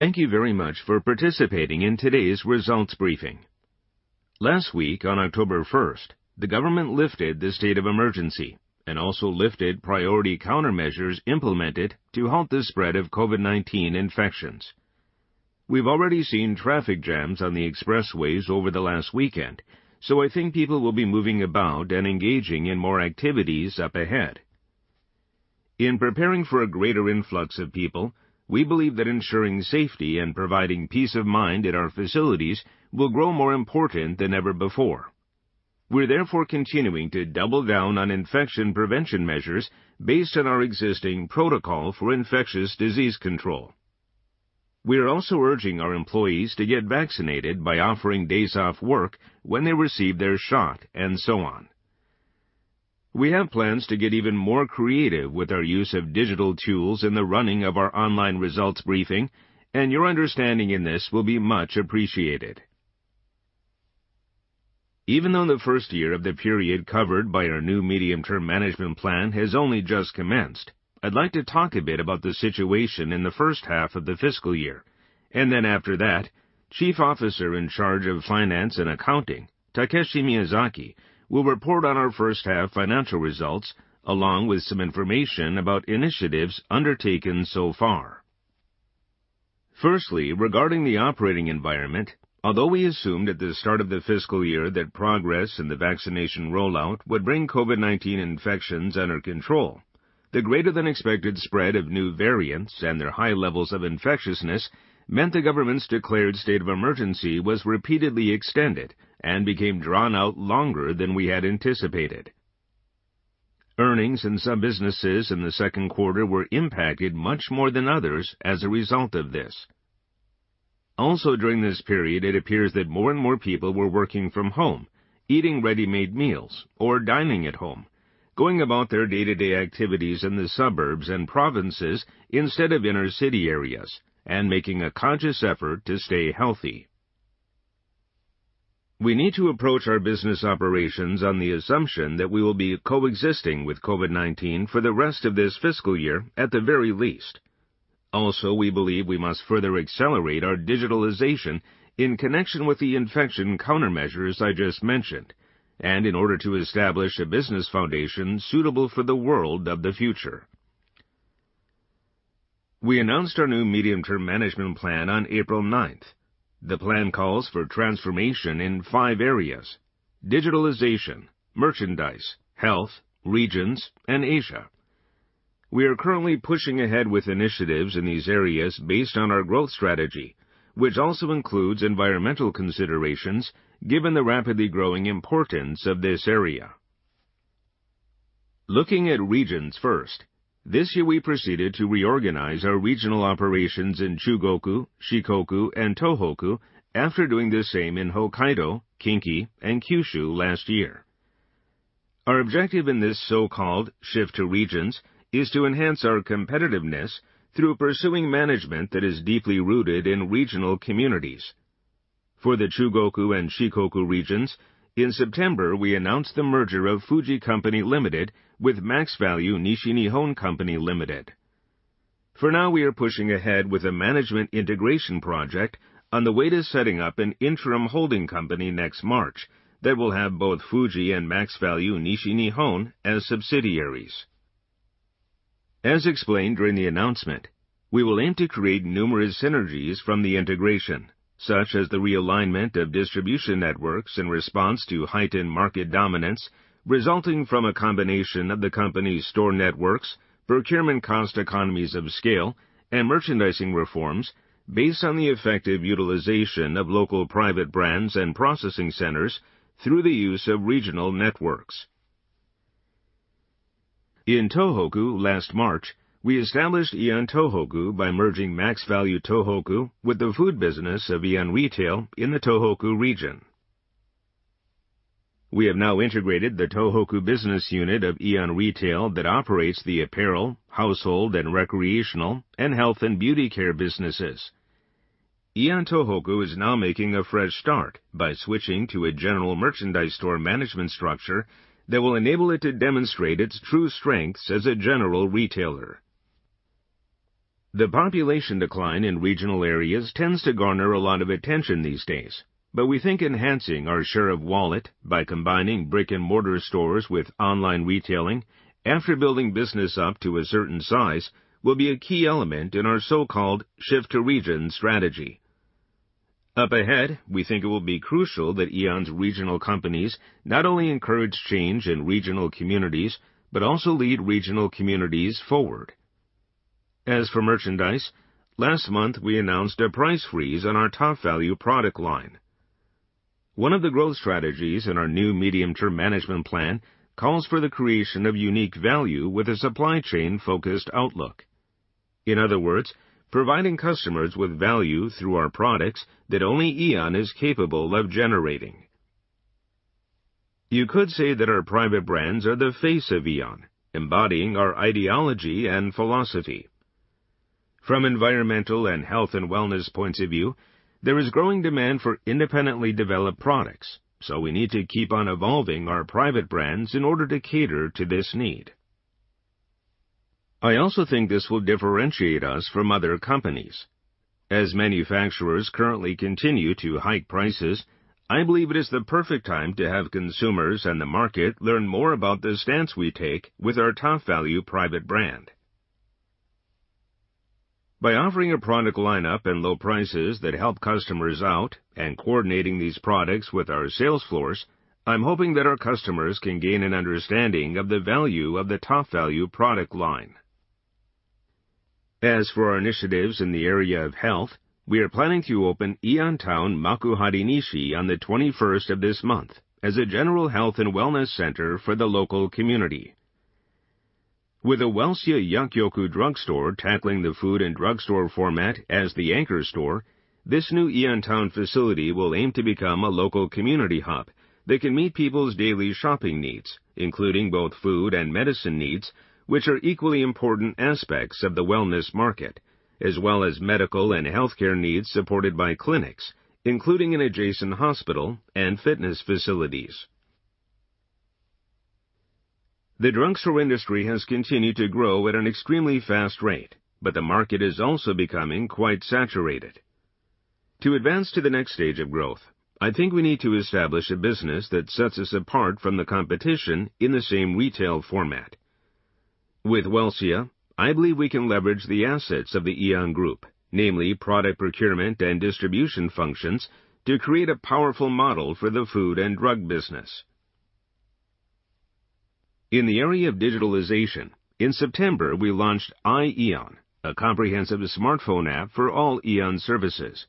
Thank you very much for participating in today's results briefing. Last week, on October 1st, the government lifted the state of emergency and also lifted priority countermeasures implemented to halt the spread of COVID-19 infections. We've already seen traffic jams on the expressways over the last weekend, so I think people will be moving about and engaging in more activities up ahead. In preparing for a greater influx of people, we believe that ensuring safety and providing peace of mind in our facilities will grow more important than ever before. We're therefore continuing to double down on infection prevention measures based on our existing protocol for infectious disease control. We are also urging our employees to get vaccinated by offering days off work when they receive their shot, and so on. We have plans to get even more creative with our use of digital tools in the running of our online results briefing, and your understanding in this will be much appreciated. Even though the first year of the period covered by our new medium-term management plan has only just commenced, I'd like to talk a bit about the situation in the first half of the fiscal year, and then after that, Chief Officer, Finance and Accounting, Takeshi Miyazaki, will report on our first-half financial results along with some information about initiatives undertaken so far. Regarding the operating environment, although we assumed at the start of the fiscal year that progress in the vaccination rollout would bring COVID-19 infections under control, the greater-than-expected spread of new variants and their high levels of infectiousness meant the government's declared state of emergency was repeatedly extended and became drawn out longer than we had anticipated. Earnings in some businesses in the second quarter were impacted much more than others as a result of this. During this period, it appears that more and more people were working from home, eating ready-made meals or dining at home, going about their day-to-day activities in the suburbs and provinces instead of inner-city areas, and making a conscious effort to stay healthy. We need to approach our business operations on the assumption that we will be coexisting with COVID-19 for the rest of this fiscal year, at the very least. We believe we must further accelerate our digitalization in connection with the infection countermeasures I just mentioned, and in order to establish a business foundation suitable for the world of the future. We announced our new medium-term management plan on April 9th. The plan calls for transformation in five areas: digitalization, merchandise, health, regions, and Asia. We are currently pushing ahead with initiatives in these areas based on our growth strategy, which also includes environmental considerations given the rapidly growing importance of this area. Looking at regions first, this year we proceeded to reorganize our regional operations in Chugoku, Shikoku, and Tohoku after doing the same in Hokkaido, Kinki, and Kyushu last year. Our objective in this so-called Shift to Regions is to enhance our competitiveness through pursuing management that is deeply rooted in regional communities. For the Chugoku and Shikoku regions, in September, we announced the merger of Fuji Co., Ltd. with MaxValu Nishinihon Co., Ltd. For now, we are pushing ahead with a management integration project on the way to setting up an interim holding company next March that will have both Fuji and MaxValu Nishinihon as subsidiaries. As explained during the announcement, we will aim to create numerous synergies from the integration, such as the realignment of distribution networks in response to heightened market dominance resulting from a combination of the companies' store networks, procurement cost economies of scale, and merchandising reforms based on the effective utilization of local private brands and processing centers through the use of regional networks. In Tohoku last March, we established AEON Tohoku by merging MaxValu Tohoku with the food business of AEON Retail in the Tohoku region. We have now integrated the Tohoku business unit of AEON Retail that operates the apparel, household and recreational, and health and beauty care businesses. AEON Tohoku is now making a fresh start by switching to a general merchandise store management structure that will enable it to demonstrate its true strengths as a general retailer. The population decline in regional areas tends to garner a lot of attention these days. We think enhancing our share of wallet by combining brick-and-mortar stores with online retailing after building business up to a certain size will be a key element in our so-called Shift to Regions strategy. Up ahead, we think it will be crucial that AEON's regional companies not only encourage change in regional communities, but also lead regional communities forward. As for merchandise, last month, we announced a price freeze on our TOP product line. One of the growth strategies in our new medium-term management plan calls for the creation of unique value with a supply chain-focused outlook. In other words, providing customers with value through our products that only AEON is capable of generating. You could say that our private brands are the face of AEON, embodying our ideology and philosophy. From environmental and health and wellness points of view, there is growing demand for independently developed products, so we need to keep on evolving our private brands in order to cater to this need. I also think this will differentiate us from other companies. As manufacturers currently continue to hike prices, I believe it is the perfect time to have consumers and the market learn more about the stance we take with our TOPVALU private brand. By offering a product lineup and low prices that help customers out and coordinating these products with our sales floors, I'm hoping that our customers can gain an understanding of the value of the TOPVALU product line. As for our initiatives in the area of health, we are planning to open AEON TOWN Makuhari Nishi on the 21st of this month as a general health and wellness center for the local community. With a Welcia Yakkyoku drugstore tackling the food and drugstore format as the anchor store, this new AEON TOWN facility will aim to become a local community hub that can meet people's daily shopping needs, including both food and medicine needs, which are equally important aspects of the wellness market, as well as medical and healthcare needs supported by clinics, including an adjacent hospital and fitness facilities. The drugstore industry has continued to grow at an extremely fast rate, but the market is also becoming quite saturated. To advance to the next stage of growth, I think we need to establish a business that sets us apart from the competition in the same retail format. With Welcia, I believe we can leverage the assets of the AEON Group, namely product procurement and distribution functions, to create a powerful model for the food and drug business. In the area of digitalization, in September, we launched iAEON, a comprehensive smartphone app for all AEON services.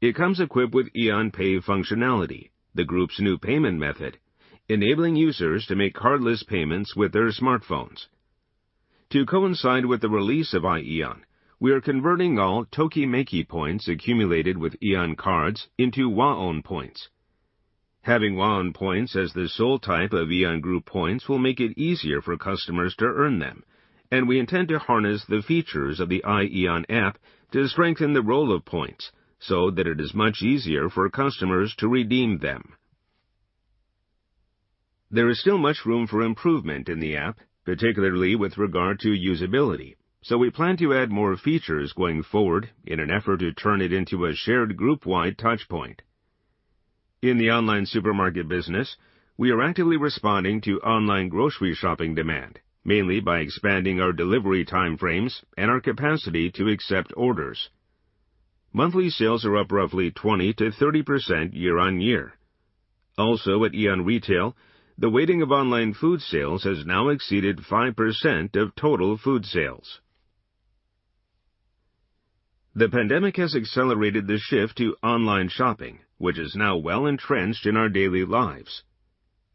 It comes equipped with AEON Pay functionality, the group's new payment method, enabling users to make cardless payments with their smartphones. To coincide with the release of iAEON, we are converting all Tokimeki points accumulated with AEON cards into WAON points. Having WAON POINT as the sole type of AEON Group points will make it easier for customers to earn them, and we intend to harness the features of the iAEON app to strengthen the role of points so that it is much easier for customers to redeem them. There is still much room for improvement in the app, particularly with regard to usability, so we plan to add more features going forward in an effort to turn it into a shared group-wide touchpoint. In the online supermarket business, we are actively responding to online grocery shopping demand, mainly by expanding our delivery time frames and our capacity to accept orders. Monthly sales are up roughly 20%-30% year-on-year. Also, at AEON Retail, the weighting of online food sales has now exceeded 5% of total food sales. The pandemic has accelerated the shift to online shopping, which is now well-entrenched in our daily lives.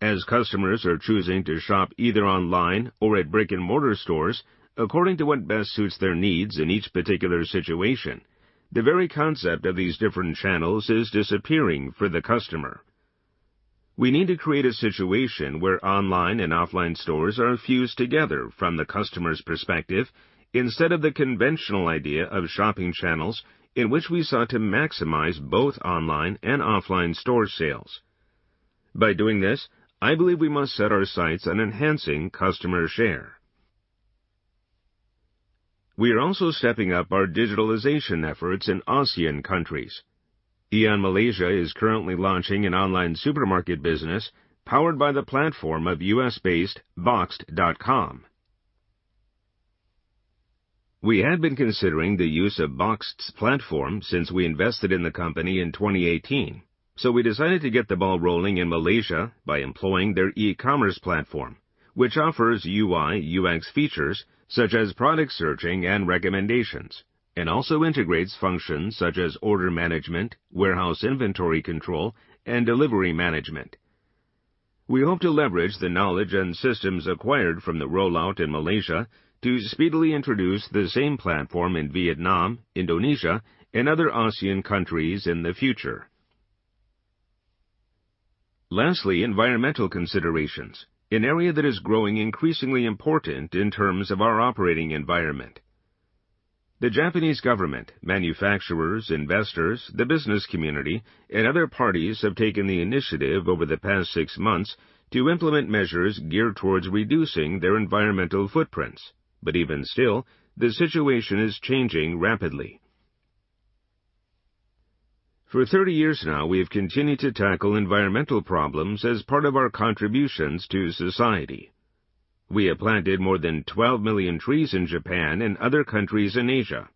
As customers are choosing to shop either online or at brick-and-mortar stores according to what best suits their needs in each particular situation, the very concept of these different channels is disappearing for the customer. We need to create a situation where online and offline stores are fused together from the customer's perspective instead of the conventional idea of shopping channels in which we sought to maximize both online and offline store sales. By doing this, I believe we must set our sights on enhancing customer share. We are also stepping up our digitalization efforts in ASEAN countries. AEON Malaysia is currently launching an online supermarket business powered by the platform of U.S.-based boxed.com. We had been considering the use of Boxed's platform since we invested in the company in 2018, so we decided to get the ball rolling in Malaysia by employing their e-commerce platform, which offers UI/UX features such as product searching and recommendations and also integrates functions such as order management, warehouse inventory control, and delivery management. We hope to leverage the knowledge and systems acquired from the rollout in Malaysia to speedily introduce the same platform in Vietnam, Indonesia, and other ASEAN countries in the future. Environmental considerations, an area that is growing increasingly important in terms of our operating environment. The Japanese government, manufacturers, investors, the business community, and other parties have taken the initiative over the past six months to implement measures geared towards reducing their environmental footprints. Even still, the situation is changing rapidly. For 30 years now, we have continued to tackle environmental problems as part of our contributions to society. We have planted more than 12 million trees in Japan and other countries in Asia,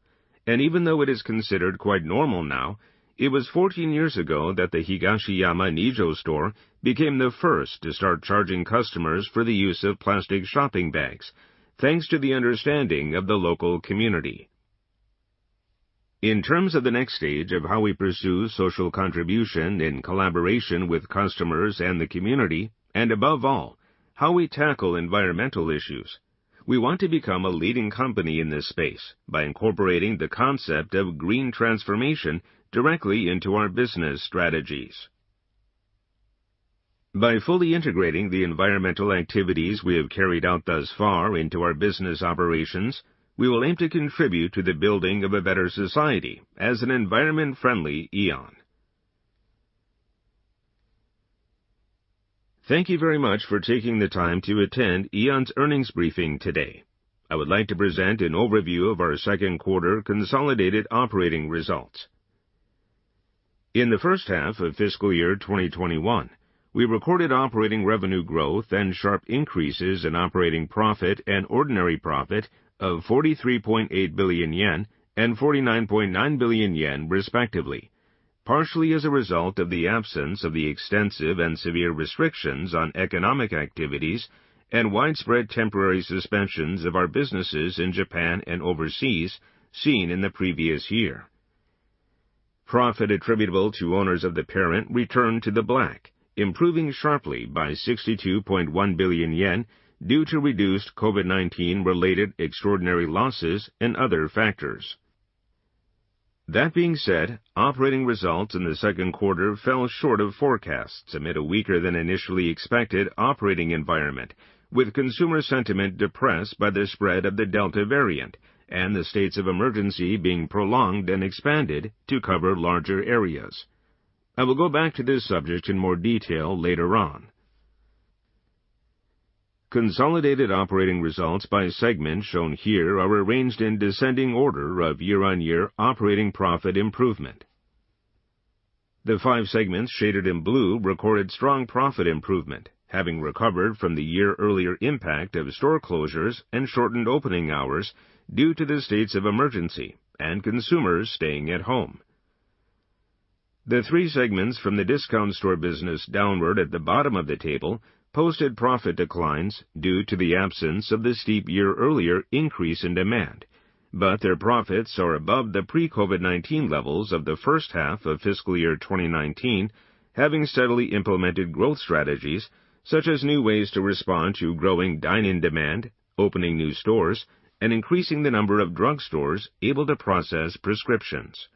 and even though it is considered quite normal now, it was 14 years ago that the Higashiyama Nijo store became the first to start charging customers for the use of plastic shopping bags, thanks to the understanding of the local community. In terms of the next stage of how we pursue social contribution in collaboration with customers and the community, and above all, how we tackle environmental issues, we want to become a leading company in this space by incorporating the concept of green transformation directly into our business strategies. By fully integrating the environmental activities we have carried out thus far into our business operations, we will aim to contribute to the building of a better society as an environment-friendly AEON. Thank you very much for taking the time to attend AEON's earnings briefing today. I would like to present an overview of our second quarter consolidated operating results. In the first half of fiscal year 2021, we recorded operating revenue growth and sharp increases in operating profit and ordinary profit of 43.8 billion yen and 49.9 billion yen, respectively, partially as a result of the absence of the extensive and severe restrictions on economic activities and widespread temporary suspensions of our businesses in Japan and overseas seen in the previous year. Profit attributable to owners of the parent returned to the black, improving sharply by 62.1 billion yen due to reduced COVID-19 related extraordinary losses and other factors. That being said, operating results in the second quarter fell short of forecasts amid a weaker-than-initially expected operating environment, with consumer sentiment depressed by the spread of the Delta variant and the states of emergency being prolonged and expanded to cover larger areas. I will go back to this subject in more detail later on. Consolidated operating results by segment shown here are arranged in descending order of year-on-year operating profit improvement. The five segments shaded in blue recorded strong profit improvement, having recovered from the year-earlier impact of store closures and shortened opening hours due to the states of emergency and consumers staying at home. The three segments from the discount store business downward at the bottom of the table posted profit declines due to the absence of the steep year-earlier increase in demand, but their profits are above the pre-COVID-19 levels of the first half of fiscal year 2019, having steadily implemented growth strategies such as new ways to respond to growing dine-in demand, opening new stores, and increasing the number of drugstores able to process prescriptions.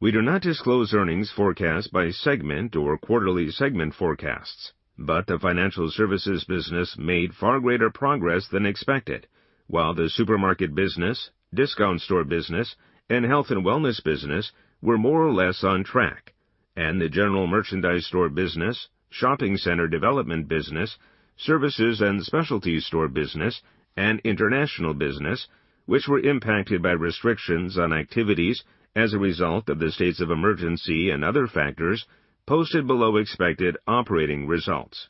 We do not disclose earnings forecasts by segment or quarterly segment forecasts, but the financial services business made far greater progress than expected, while the supermarket business, discount store business, and health and wellness business were more or less on track, and the general merchandise store business, shopping center development business, services and specialty store business, and international business, which were impacted by restrictions on activities as a result of the states of emergency and other factors, posted below-expected operating results.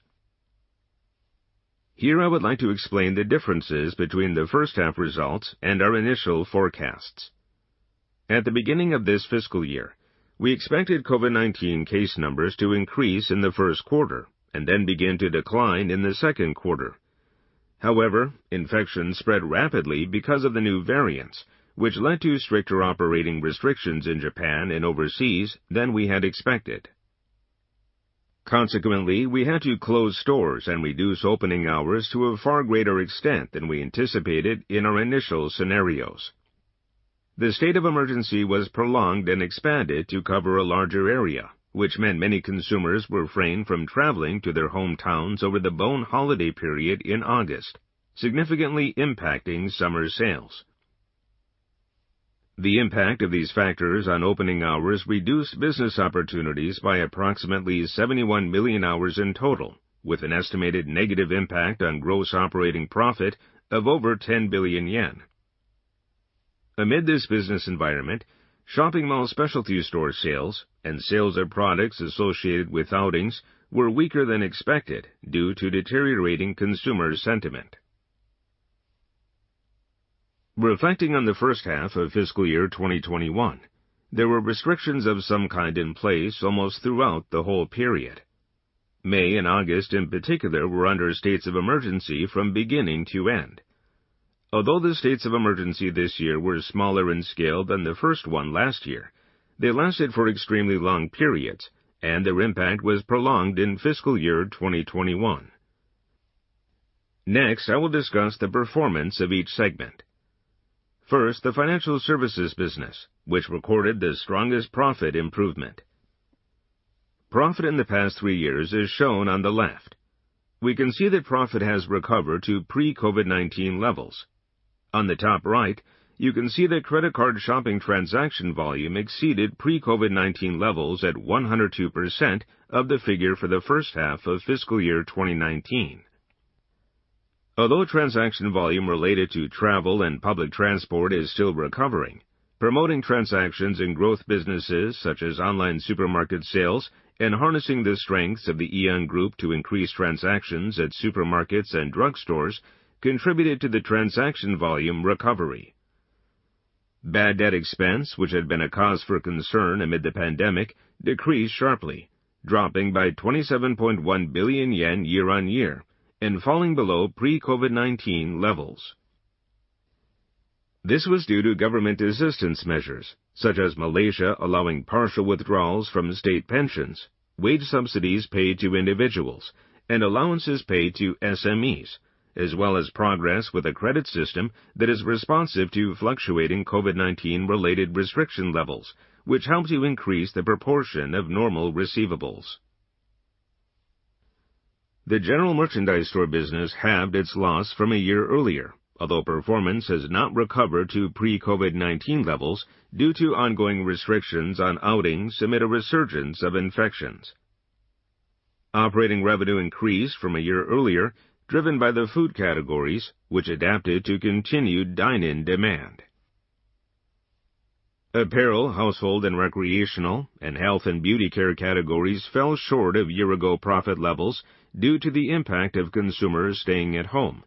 Here I would like to explain the differences between the first-half results and our initial forecasts. At the beginning of this fiscal year, we expected COVID-19 case numbers to increase in the first quarter and then begin to decline in the second quarter. Infections spread rapidly because of the new variants, which led to stricter operating restrictions in Japan and overseas than we had expected. Consequently, we had to close stores and reduce opening hours to a far greater extent than we anticipated in our initial scenarios. The state of emergency was prolonged and expanded to cover a larger area, which meant many consumers refrained from traveling to their hometowns over the Obon holiday period in August, significantly impacting summer sales. The impact of these factors on opening hours reduced business opportunities by approximately 71 million hours in total, with an estimated negative impact on gross operating profit of over 10 billion yen. Amid this business environment, shopping mall specialty store sales and sales of products associated with outings were weaker than expected due to deteriorating consumer sentiment. Reflecting on the first half of fiscal year 2021, there were restrictions of some kind in place almost throughout the whole period. May and August, in particular, were under states of emergency from beginning to end. The states of emergency this year were smaller in scale than the first one last year, they lasted for extremely long periods, and their impact was prolonged in fiscal year 2021. Next, I will discuss the performance of each segment. First, the financial services business, which recorded the strongest profit improvement. Profit in the past three years is shown on the left. We can see that profit has recovered to pre-COVID-19 levels. On the top right, you can see that credit card shopping transaction volume exceeded pre-COVID-19 levels at 102% of the figure for the first half of fiscal year 2019. Transaction volume related to travel and public transport is still recovering, promoting transactions in growth businesses such as online supermarket sales and harnessing the strengths of the AEON Group to increase transactions at supermarkets and drugstores contributed to the transaction volume recovery. Bad debt expense, which had been a cause for concern amid the pandemic, decreased sharply, dropping by 27.1 billion yen year-on-year and falling below pre-COVID-19 levels. This was due to government assistance measures, such as Malaysia allowing partial withdrawals from state pensions, wage subsidies paid to individuals, and allowances paid to SMEs, as well as progress with a credit system that is responsive to fluctuating COVID-19 related restriction levels, which helped to increase the proportion of normal receivables. The general merchandise store business halved its loss from a year earlier, although performance has not recovered to pre-COVID-19 levels due to ongoing restrictions on outings amid a resurgence of infections. Operating revenue increased from a year earlier, driven by the food categories, which adapted to continued dine-in demand. Apparel, household and recreational, and health and beauty care categories fell short of year-ago profit levels due to the impact of consumers staying at home.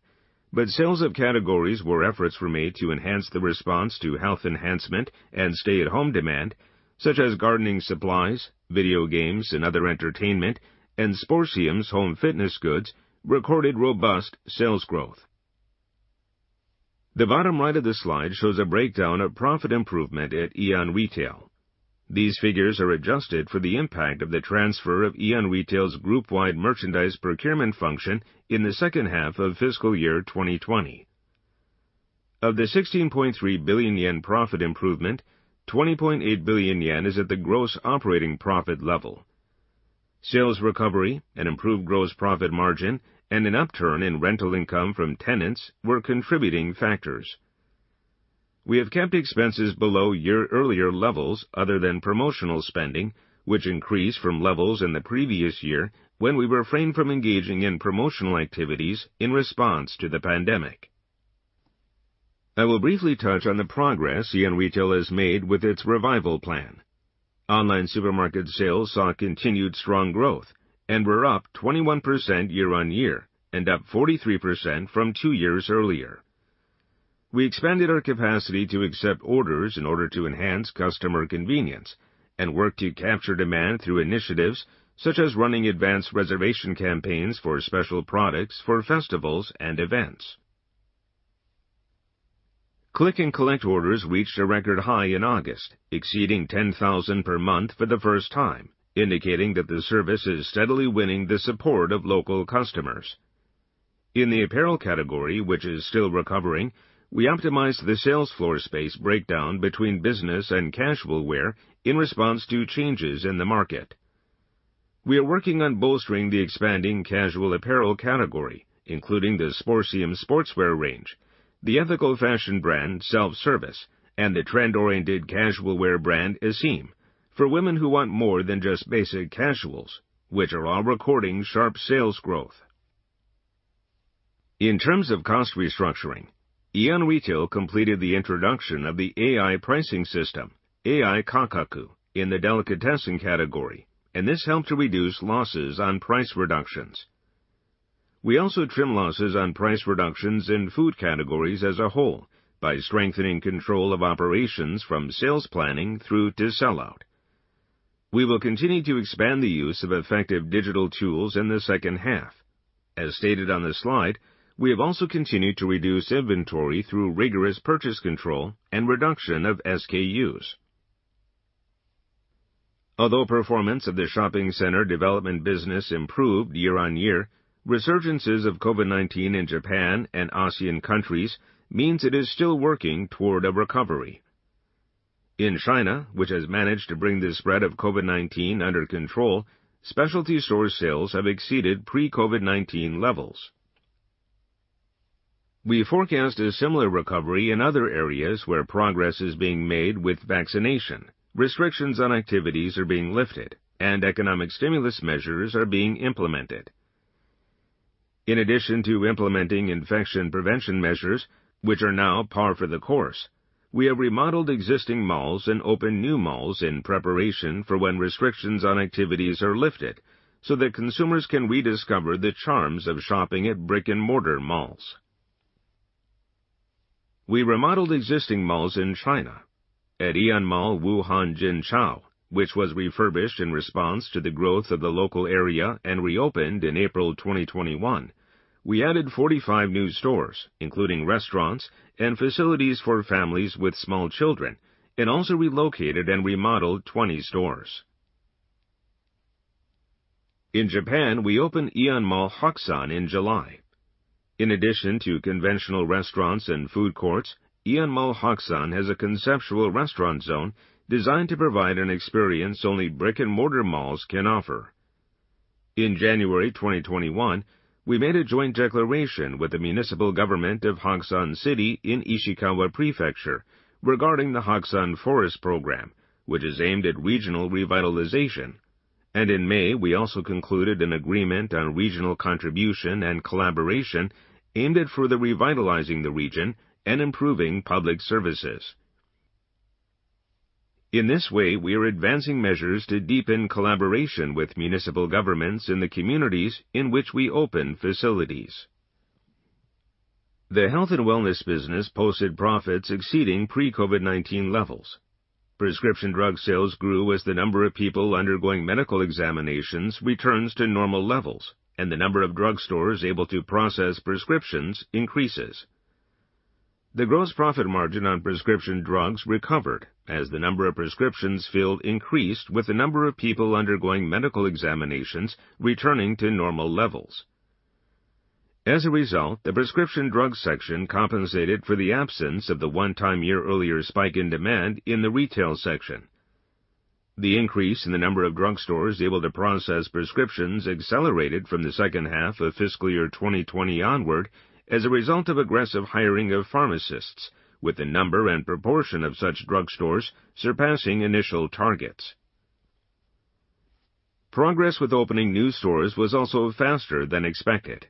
Sales of categories where efforts were made to enhance the response to health enhancement and stay-at-home demand, such as gardening supplies, video games and other entertainment, and Sporsium's home fitness goods, recorded robust sales growth. The bottom right of the slide shows a breakdown of profit improvement at AEON Retail. These figures are adjusted for the impact of the transfer of AEON Retail's group-wide merchandise procurement function in the second half of fiscal year 2020. Of the 16.3 billion yen profit improvement, 20.8 billion yen is at the gross operating profit level. Sales recovery and improved gross profit margin and an upturn in rental income from tenants were contributing factors. We have kept expenses below year-earlier levels other than promotional spending, which increased from levels in the previous year when we refrained from engaging in promotional activities in response to the pandemic. I will briefly touch on the progress AEON Retail has made with its revival plan. Online supermarket sales saw continued strong growth and were up 21% year-on-year and up 43% from two years earlier. We expanded our capacity to accept orders in order to enhance customer convenience and work to capture demand through initiatives such as running advance reservation campaigns for special products for festivals and events. Click and collect orders reached a record high in August, exceeding 10,000 per month for the first time, indicating that the service is steadily winning the support of local customers. In the apparel category, which is still recovering, we optimized the sales floor space breakdown between business and casual wear in response to changes in the market. We are working on bolstering the expanding casual apparel category, including the Sporsium sportswear range, the ethical fashion brand SELF+SERVICE, and the trend-oriented casual wear brand ESSEME for women who want more than just basic casuals, which are all recording sharp sales growth. In terms of cost restructuring, AEON Retail completed the introduction of the AI pricing system, AI Kakaku, in the delicatessen category, and this helped to reduce losses on price reductions. We also trim losses on price reductions in food categories as a whole by strengthening control of operations from sales planning through to sellout. We will continue to expand the use of effective digital tools in the second half. As stated on the slide, we have also continued to reduce inventory through rigorous purchase control and reduction of SKUs. Although performance of the shopping center development business improved year-on-year, resurgences of COVID-19 in Japan and ASEAN countries means it is still working toward a recovery. In China, which has managed to bring the spread of COVID-19 under control, specialty store sales have exceeded pre-COVID-19 levels. We forecast a similar recovery in other areas where progress is being made with vaccination, restrictions on activities are being lifted, and economic stimulus measures are being implemented. In addition to implementing infection prevention measures, which are now par for the course, we have remodeled existing malls and opened new malls in preparation for when restrictions on activities are being lifted so that consumers can rediscover the charms of shopping at brick-and-mortar malls. We remodeled existing malls in China. At AEON MALL Wuhan Jingkai, which was refurbished in response to the growth of the local area and reopened in April 2021, we added 45 new stores, including restaurants and facilities for families with small children, and also relocated and remodeled 20 stores. In Japan, we opened AEON MALL Hakusan in July. In addition to conventional restaurants and food courts, AEON MALL Hakusan has a conceptual restaurant zone designed to provide an experience only brick-and-mortar malls can offer. In January 2021, we made a joint declaration with the municipal government of Hakusan City in Ishikawa Prefecture regarding the Hakusan Forest Program, which is aimed at regional revitalization. In May, we also concluded an agreement on regional contribution and collaboration aimed at further revitalizing the region and improving public services. In this way, we are advancing measures to deepen collaboration with municipal governments in the communities in which we open facilities. The health and wellness business posted profits exceeding pre-COVID-19 levels. Prescription drug sales grew as the number of people undergoing medical examinations returns to normal levels and the number of drugstores able to process prescriptions increases. The gross profit margin on prescription drugs recovered as the number of prescriptions filled increased with the number of people undergoing medical examinations returning to normal levels. As a result, the prescription drug section compensated for the absence of the one-time year-earlier spike in demand in the retail section. The increase in the number of drugstores able to process prescriptions accelerated from the second half of fiscal year 2020 onward as a result of aggressive hiring of pharmacists, with the number and proportion of such drugstores surpassing initial targets. Progress with opening new stores was also faster than expected.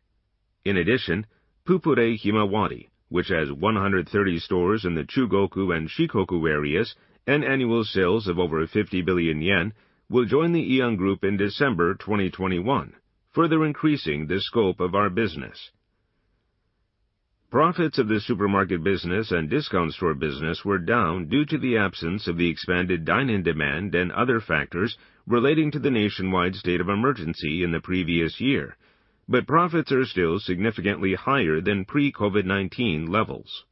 In addition, Pupule Himawari, which has 130 stores in the Chugoku and Shikoku areas and annual sales of over 50 billion yen, will join the AEON Group in December 2021, further increasing the scope of our business. Profits of the supermarket business and discount store business were down due to the absence of the expanded dine-in demand and other factors relating to the nationwide state of emergency in the previous year, but profits are still significantly higher than pre-COVID-19 levels.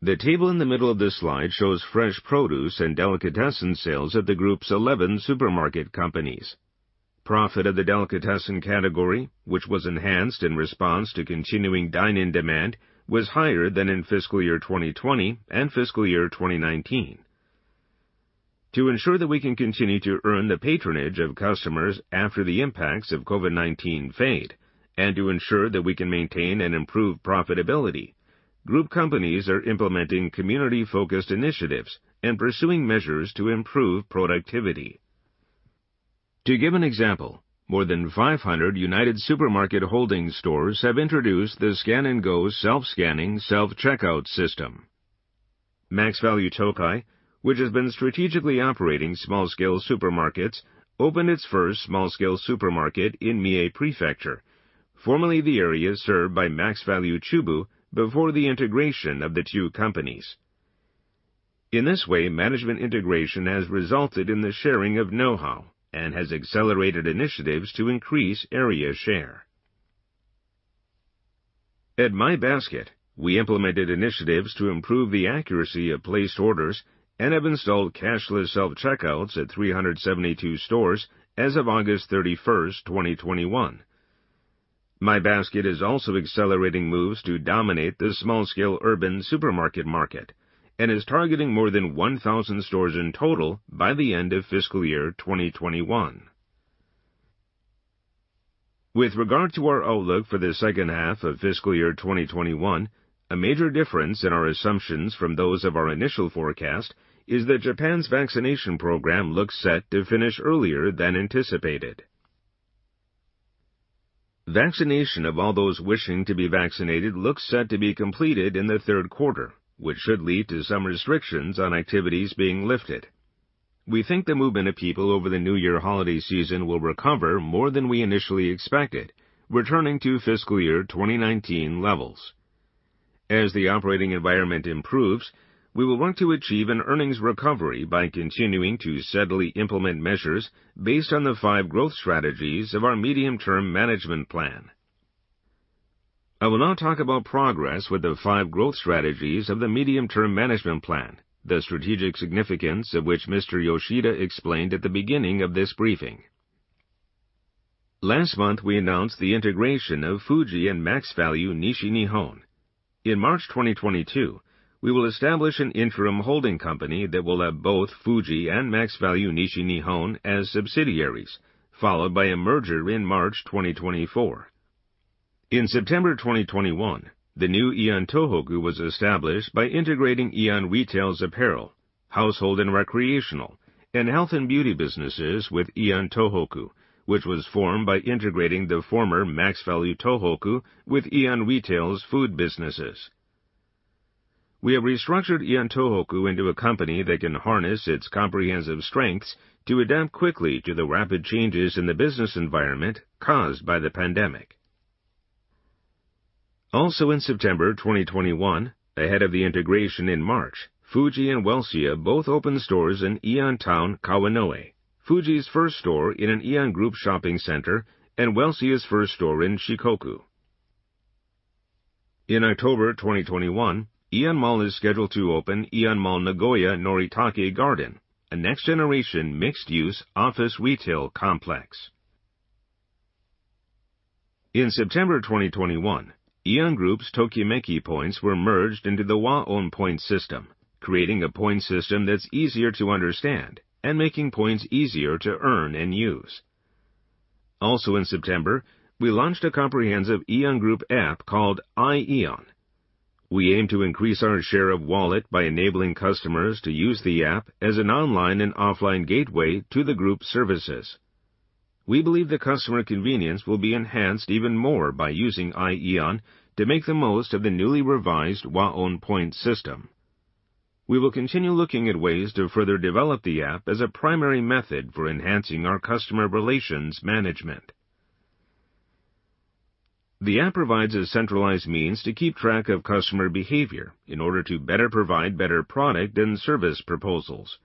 The table in the middle of this slide shows fresh produce and delicatessen sales at the Group's 11 supermarket companies. Profit of the delicatessen category, which was enhanced in response to continuing dine-in demand, was higher than in fiscal year 2020 and fiscal year 2019. To ensure that we can continue to earn the patronage of customers after the impacts of COVID-19 fade, and to ensure that we can maintain and improve profitability, Group companies are implementing community-focused initiatives and pursuing measures to improve productivity. To give an example, more than 500 United Super Market Holdings stores have introduced the Scan and Go Self-Scanning, Self-Checkout system. MaxValu Tokai, which has been strategically operating small-scale supermarkets, opened its first small-scale supermarket in Mie Prefecture, formerly the area served by MaxValu Chubu before the integration of the two companies. In this way, management integration has resulted in the sharing of know-how and has accelerated initiatives to increase area share. At My Basket, we implemented initiatives to improve the accuracy of placed orders and have installed cashless self-checkouts at 372 stores as of August 31st, 2021. My Basket is also accelerating moves to dominate the small-scale urban supermarket market and is targeting more than 1,000 stores in total by the end of fiscal year 2021. With regard to our outlook for the second half of fiscal year 2021, a major difference in our assumptions from those of our initial forecast is that Japan's vaccination program looks set to finish earlier than anticipated. Vaccination of all those wishing to be vaccinated looks set to be completed in the third quarter, which should lead to some restrictions on activities being lifted. We think the movement of people over the New Year holiday season will recover more than we initially expected, returning to fiscal year 2019 levels. As the operating environment improves, we will work to achieve an earnings recovery by continuing to steadily implement measures based on the five growth strategies of our medium-term management plan. I will now talk about progress with the five growth strategies of the medium-term management plan, the strategic significance of which Mr. Yoshida explained at the beginning of this briefing. Last month, we announced the integration of Fuji and MaxValu Nishinihon. In March 2022, we will establish an interim holding company that will have both Fuji and MaxValu Nishinihon as subsidiaries, followed by a merger in March 2024. In September 2021, the new AEON Tohoku was established by integrating AEON Retail's apparel, household and recreational, and health and beauty businesses with AEON Tohoku, which was formed by integrating the former MaxValu Tohoku with AEON Retail's food businesses. We have restructured AEON Tohoku into a company that can harness its comprehensive strengths to adapt quickly to the rapid changes in the business environment caused by the pandemic. In September 2021, ahead of the integration in March, Fuji and Welcia both opened stores in AEON TOWN Kawanoe, Fuji's first store in an AEON Group shopping center and Welcia's first store in Shikoku. In October 2021, AEON Mall is scheduled to open AEON MALL Nagoya Noritake Garden, a next-generation mixed-use office retail complex. In September 2021, AEON Group's Tokimeki Point were merged into the WAON POINT system, creating a point system that's easier to understand and making points easier to earn and use. In September, we launched a comprehensive AEON Group app called iAEON. We aim to increase our share of wallet by enabling customers to use the app as an online and offline gateway to the Group's services. We believe the customer convenience will be enhanced even more by using iAEON to make the most of the newly revised WAON POINT system. We will continue looking at ways to further develop the app as a primary method for enhancing our customer relations management. The app provides a centralized means to keep track of customer behavior in order to better provide product and service proposals.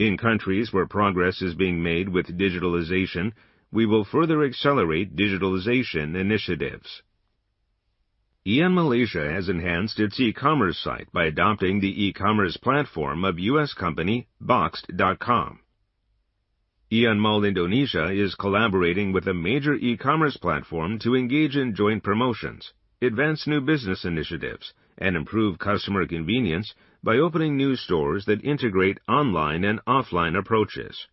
In countries where progress is being made with digitalization, we will further accelerate digitalization initiatives. AEON Malaysia has enhanced its e-commerce site by adopting the e-commerce platform of U.S. company boxed.com. AEON Mall Indonesia is collaborating with a major e-commerce platform to engage in joint promotions, advance new business initiatives, and improve customer convenience by opening new stores that integrate online and offline approaches.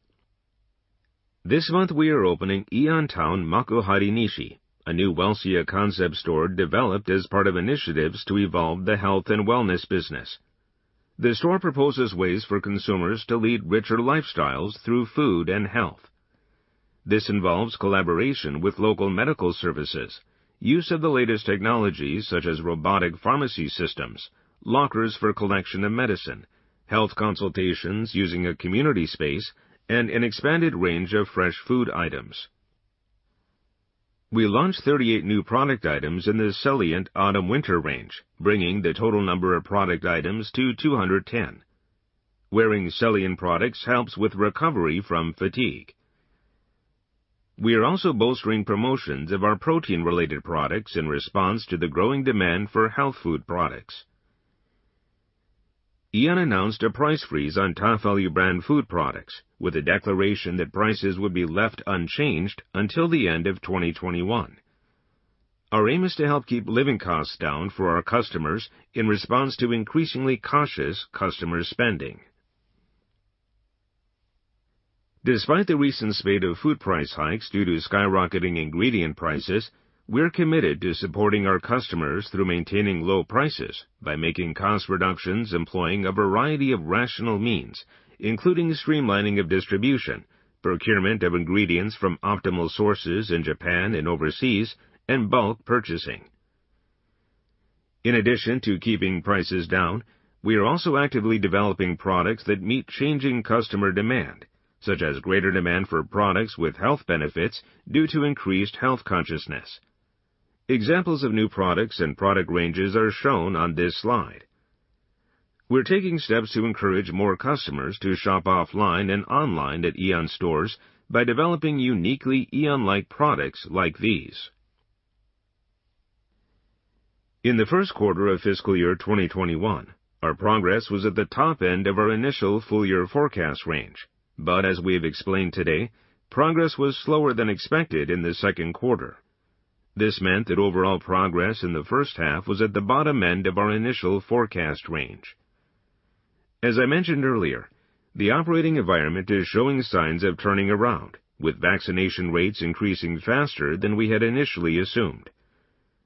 This month, we are opening AEON TOWN Makuhari Nishi, a new Welcia concept store developed as part of initiatives to evolve the health and wellness business. The store proposes ways for consumers to lead richer lifestyles through food and health. This involves collaboration with local medical services, use of the latest technology such as robotic pharmacy systems, lockers for collection of medicine, health consultations using a community space, and an expanded range of fresh food items. We launched 38 new product items in the Cellient autumn/winter range, bringing the total number of product items to 210. Wearing Cellient products helps with recovery from fatigue. We are also bolstering promotions of our protein-related products in response to the growing demand for health food products. AEON announced a price freeze on TOPVALU brand food products with a declaration that prices would be left unchanged until the end of 2021. Our aim is to help keep living costs down for our customers in response to increasingly cautious customer spending. Despite the recent spate of food price hikes due to skyrocketing ingredient prices, we're committed to supporting our customers through maintaining low prices by making cost reductions employing a variety of rational means, including streamlining of distribution, procurement of ingredients from optimal sources in Japan and overseas, and bulk purchasing. In addition to keeping prices down, we are also actively developing products that meet changing customer demand, such as greater demand for products with health benefits due to increased health consciousness. Examples of new products and product ranges are shown on this slide. We're taking steps to encourage more customers to shop offline and online at AEON stores by developing uniquely AEON-like products like these. In the first quarter of fiscal year 2021, our progress was at the top end of our initial full-year forecast range. As we have explained today, progress was slower than expected in the second quarter. This meant that overall progress in the first half was at the bottom end of our initial forecast range. As I mentioned earlier, the operating environment is showing signs of turning around, with vaccination rates increasing faster than we had initially assumed.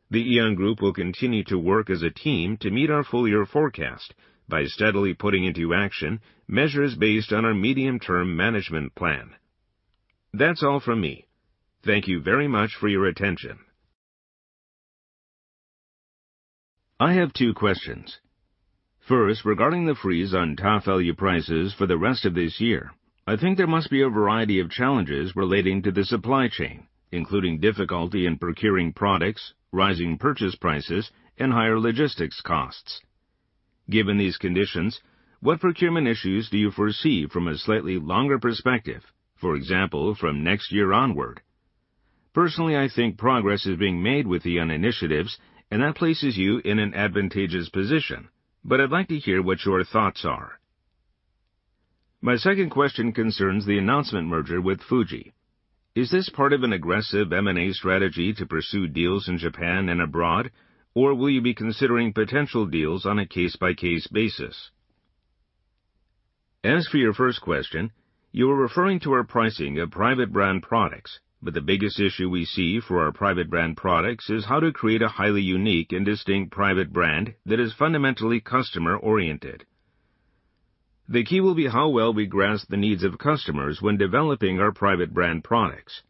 The AEON Group will continue to work as a team to meet our full-year forecast by steadily putting into action measures based on our medium-term management plan. That's all from me. Thank you very much for your attention. I have two questions. First, regarding the freeze on TOPVALU prices for the rest of this year, I think there must be a variety of challenges relating to the supply chain, including difficulty in procuring products, rising purchase prices, and higher logistics costs. Given these conditions, what procurement issues do you foresee from a slightly longer perspective, for example, from next year onward? Personally, I think progress is being made with AEON initiatives, and that places you in an advantageous position. I'd like to hear what your thoughts are. My second question concerns the announcement merger with Fuji. Is this part of an aggressive M&A strategy to pursue deals in Japan and abroad, or will you be considering potential deals on a case-by-case basis? As for your first question, you are referring to our pricing of private brand products. The biggest issue we see for our private brand products is how to create a highly unique and distinct private brand that is fundamentally customer-oriented. The key will be how well we grasp the needs of customers when developing our private brand products.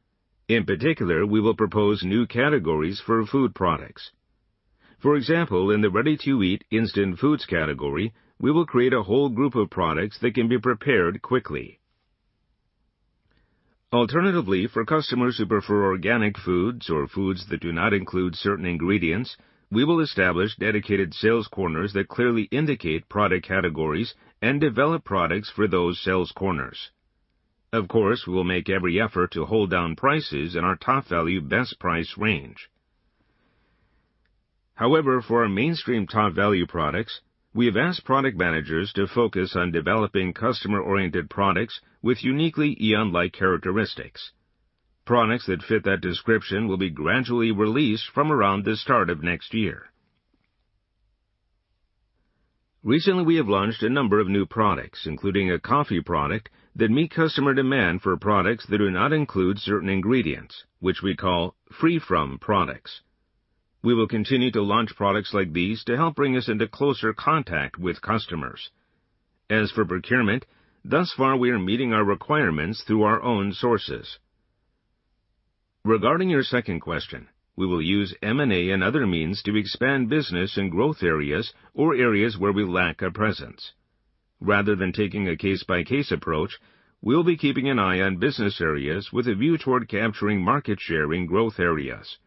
In particular, we will propose new categories for food products. For example, in the ready-to-eat instant foods category, we will create a whole group of products that can be prepared quickly. Alternatively, for customers who prefer organic foods or foods that do not include certain ingredients, we will establish dedicated sales corners that clearly indicate product categories and develop products for those sales corners. Of course, we will make every effort to hold down prices in our TOPVALU Bestprice range. However, for our mainstream TOPVALU products, we have asked product managers to focus on developing customer-oriented products with uniquely AEON-like characteristics. Products that fit that description will be gradually released from around the start of next year. Recently, we have launched a number of new products, including a coffee product, that meet customer demand for products that do not include certain ingredients, which we call free-from products. We will continue to launch products like these to help bring us into closer contact with customers. As for procurement, thus far, we are meeting our requirements through our own sources. Regarding your second question, we will use M&A and other means to expand business in growth areas or areas where we lack a presence. Rather than taking a case-by-case approach, we'll be keeping an eye on business areas with a view toward capturing market share in growth areas.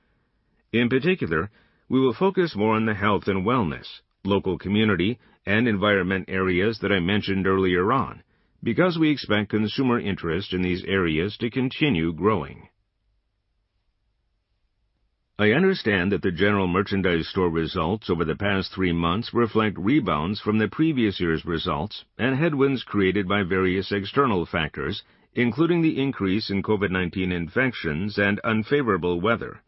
In particular, we will focus more on the health and wellness, local community, and environment areas that I mentioned earlier on. Because we expect consumer interest in these areas to continue growing. I understand that the general merchandise store results over the past three months reflect rebounds from the previous year's results and headwinds created by various external factors, including the increase in COVID-19 infections and unfavorable weather.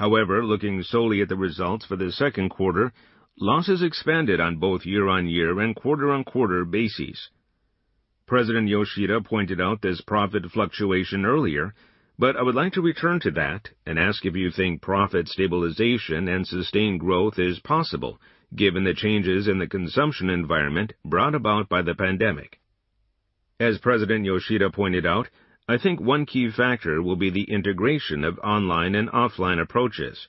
However, looking solely at the results for the second quarter, losses expanded on both year-on-year and quarter-on-quarter bases. President Yoshida pointed out this profit fluctuation earlier, I would like to return to that and ask if you think profit stabilization and sustained growth is possible given the changes in the consumption environment brought about by the pandemic. As President Yoshida pointed out, I think one key factor will be the integration of online and offline approaches.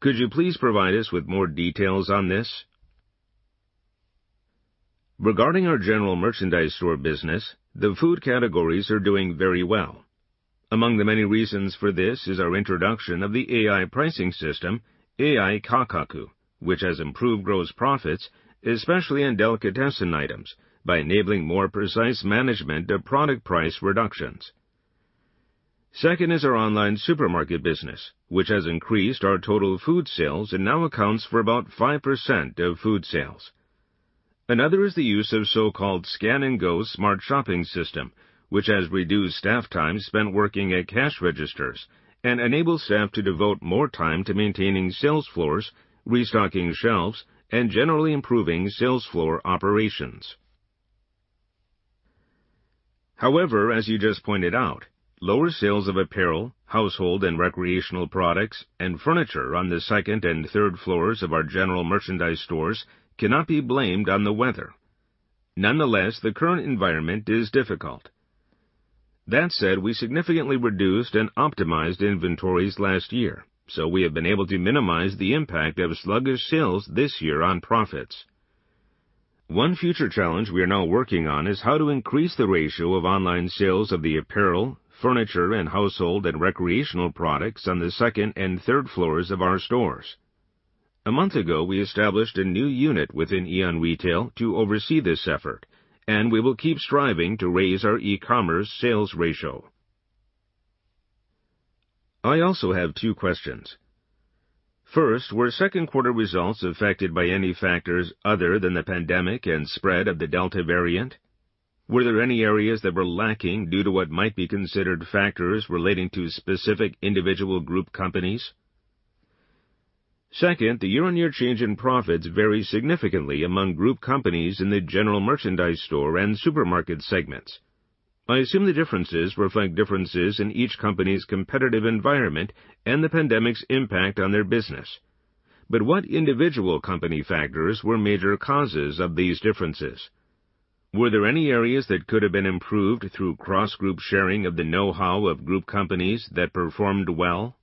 Could you please provide us with more details on this? Regarding our general merchandise store business, the food categories are doing very well. Among the many reasons for this is our introduction of the AI pricing system, AI Kakaku, which has improved gross profits, especially on delicatessen items, by enabling more precise management of product price reductions. Second is our online supermarket business, which has increased our total food sales and now accounts for about 5% of food sales. Another is the use of so-called Scan and Go smart shopping system, which has reduced staff time spent working at cash registers and enables staff to devote more time to maintaining sales floors, restocking shelves, and generally improving sales floor operations. However, as you just pointed out, lower sales of apparel, household and recreational products, and furniture on the second and third floors of our general merchandise stores cannot be blamed on the weather. Nonetheless, the current environment is difficult. That said, we significantly reduced and optimized inventories last year, so we have been able to minimize the impact of sluggish sales this year on profits. One future challenge we are now working on is how to increase the ratio of online sales of the apparel, furniture, and household and recreational products on the second and third floors of our stores. One month ago, we established a new unit within AEON Retail to oversee this effort, and we will keep striving to raise our e-commerce sales ratio. I also have two questions. First, were second-quarter results affected by any factors other than the pandemic and spread of the Delta variant? Were there any areas that were lacking due to what might be considered factors relating to specific individual group companies? Second, the year-on-year change in profits varies significantly among group companies in the general merchandise store and supermarket segments. I assume the differences reflect differences in each company's competitive environment and the pandemic's impact on their business. What individual company factors were major causes of these differences? Were there any areas that could have been improved through cross-group sharing of the know-how of group companies that performed well?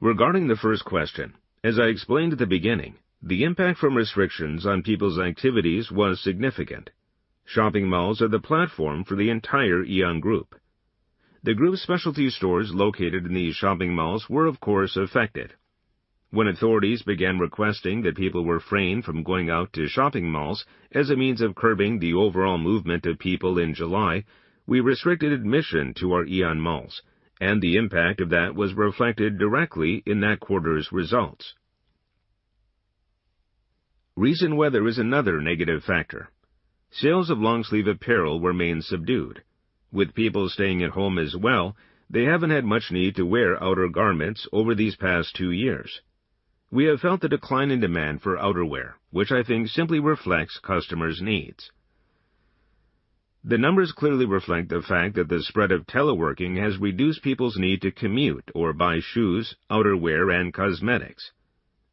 Regarding the first question, as I explained at the beginning, the impact from restrictions on people's activities was significant. Shopping malls are the platform for the entire AEON Group. The group specialty stores located in these shopping malls were, of course, affected. When authorities began requesting that people refrain from going out to shopping malls as a means of curbing the overall movement of people in July, we restricted admission to our AEON MALLs, and the impact of that was reflected directly in that quarter's results. Recent weather is another negative factor. Sales of long-sleeve apparel remain subdued. With people staying at home as well, they haven't had much need to wear outer garments over these past two years. We have felt the decline in demand for outerwear, which I think simply reflects customers' needs. The numbers clearly reflect the fact that the spread of teleworking has reduced people's need to commute or buy shoes, outerwear, and cosmetics.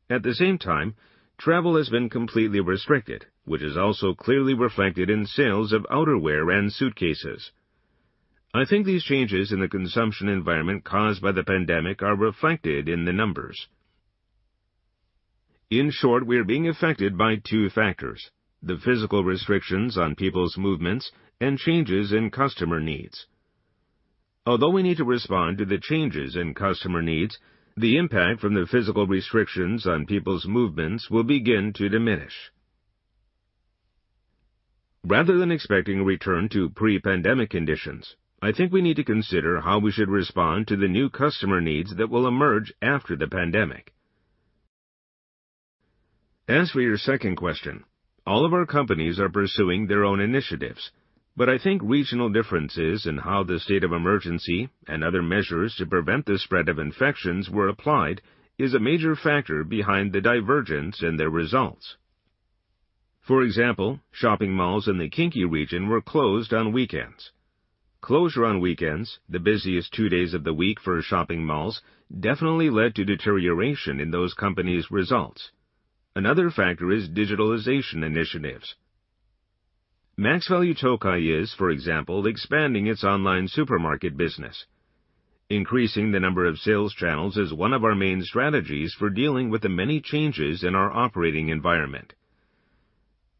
At the same time, travel has been completely restricted, which is also clearly reflected in sales of outerwear and suitcases. I think these changes in the consumption environment caused by the pandemic are reflected in the numbers. In short, we are being affected by two factors: the physical restrictions on people's movements and changes in customer needs. Although we need to respond to the changes in customer needs, the impact from the physical restrictions on people's movements will begin to diminish. Rather than expecting a return to pre-pandemic conditions, I think we need to consider how we should respond to the new customer needs that will emerge after the pandemic. As for your second question, all of our companies are pursuing their own initiatives, but I think regional differences in how the state of emergency and other measures to prevent the spread of infections were applied is a major factor behind the divergence in their results. For example, shopping malls in the Kinki region were closed on weekends. Closure on weekends, the busiest two days of the week for shopping malls, definitely led to deterioration in those companies' results. Another factor is digitalization initiatives. MaxValu Tokai is, for example, expanding its online supermarket business. Increasing the number of sales channels is one of our main strategies for dealing with the many changes in our operating environment.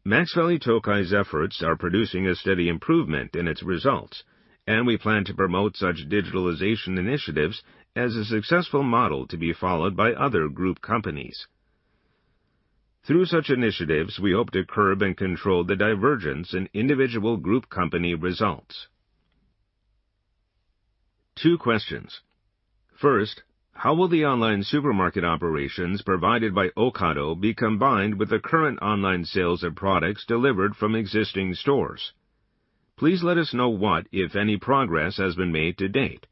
MaxValu Tokai's efforts are producing a steady improvement in its results. We plan to promote such digitalization initiatives as a successful model to be followed by other group companies. Through such initiatives, we hope to curb and control the divergence in individual group company results. Two questions. First, how will the online supermarket operations provided by Ocado be combined with the current online sales of products delivered from existing stores? Please let us know what, if any, progress has been made to date.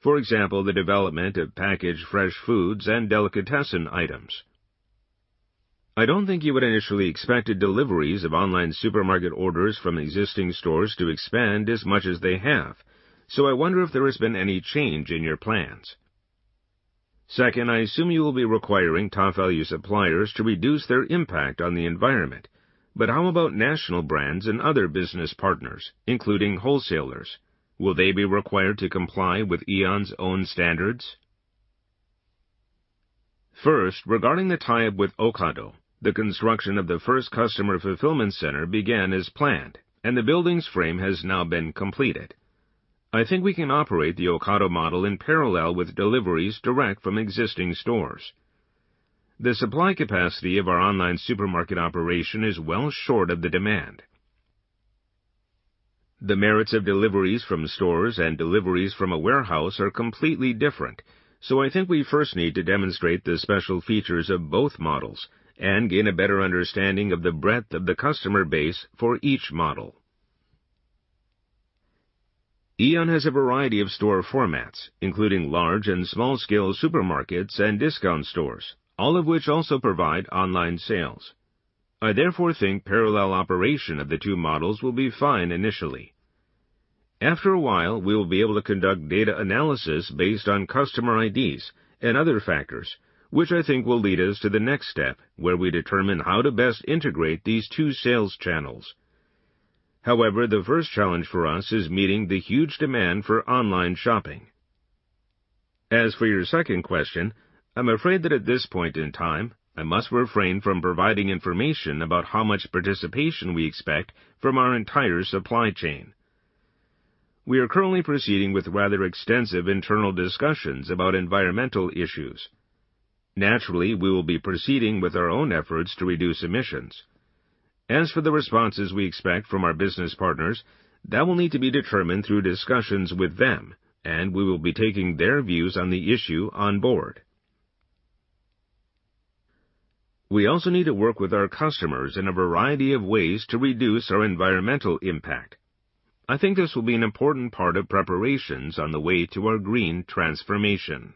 For example, the development of packaged fresh foods and delicatessen items. I don't think you would initially expected deliveries of online supermarket orders from existing stores to expand as much as they have. I wonder if there has been any change in your plans. Second, I assume you will be requiring TOPVALU suppliers to reduce their impact on the environment, how about national brands and other business partners, including wholesalers? Will they be required to comply with AEON's own standards? First, regarding the tie-up with Ocado, the construction of the first customer fulfillment center began as planned, the building's frame has now been completed. I think we can operate the Ocado model in parallel with deliveries direct from existing stores. The supply capacity of our online supermarket operation is well short of the demand. The merits of deliveries from stores and deliveries from a warehouse are completely different, I think we first need to demonstrate the special features of both models and gain a better understanding of the breadth of the customer base for each model. AEON has a variety of store formats, including large and small-scale supermarkets and discount stores, all of which also provide online sales. I therefore think parallel operation of the two models will be fine initially. After a while, we will be able to conduct data analysis based on customer IDs and other factors, which I think will lead us to the next step, where we determine how to best integrate these two sales channels. The first challenge for us is meeting the huge demand for online shopping. As for your second question, I'm afraid that at this point in time, I must refrain from providing information about how much participation we expect from our entire supply chain. We are currently proceeding with rather extensive internal discussions about environmental issues. Naturally, we will be proceeding with our own efforts to reduce emissions. As for the responses we expect from our business partners, that will need to be determined through discussions with them, and we will be taking their views on the issue on board. We also need to work with our customers in a variety of ways to reduce our environmental impact. I think this will be an important part of preparations on the way to our green transformation.